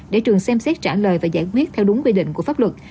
để trường xem xét trả lời và giải quyết theo đúng quy định của pháp luật